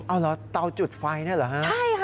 อ้าวเหรอเตาจุดไฟนั่นเหรอฮะ